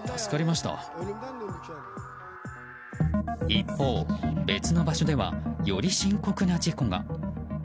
一方、別の場所ではより深刻な事故が。